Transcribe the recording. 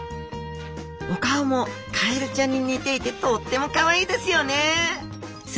お顔もカエルちゃんに似ていてとってもかわいいですよね。